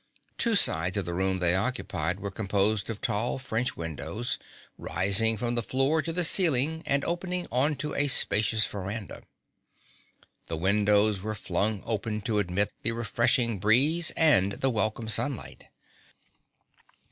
Two sides of the room they occupied were composed of tall French windows, rising from the floor to the ceiling and opening onto a spacious veranda. The windows were flung wide open to admit the refreshing breeze and the welcome sunlight.